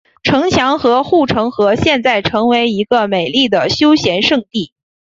城墙和护城河现在成为一个美丽的休闲胜地。